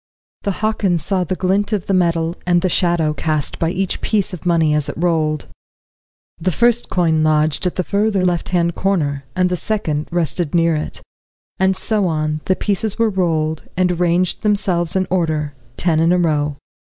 The Hockins saw the glint of the metal, and the shadow cast by each piece of money as it rolled. The first coin lodged at the further left hand corner and the second rested near it; and so on, the pieces were rolled, and ranged themselves in order, ten in a row.